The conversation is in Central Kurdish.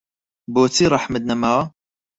بۆچی ڕەحمت نەماوە